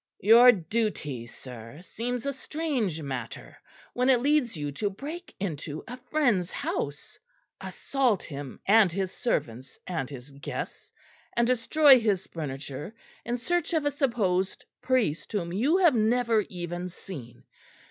"Your duty, sir, seems a strange matter, when it leads you to break into a friend's house, assault him and his servants and his guests, and destroy his furniture, in search of a supposed priest whom you have never even seen.